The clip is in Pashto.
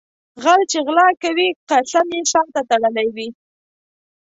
غل چې غلا کوي قسم یې شاته تړلی وي.